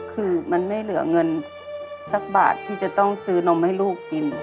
คือมันไม่เหลือเงินสักบาทที่จะต้องซื้อนมให้ลูกกิน